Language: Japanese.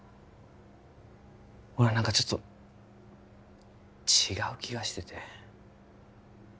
俺は何かちょっと違う気がしてて